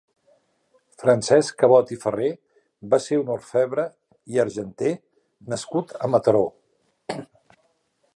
Francesc Cabot i Ferrer va ser un orfebre i argenter nascut a Mataró.